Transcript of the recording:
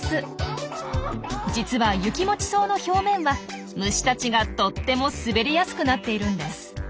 実はユキモチソウの表面は虫たちがとっても滑りやすくなっているんです。